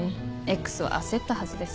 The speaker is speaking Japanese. Ｘは焦ったはずです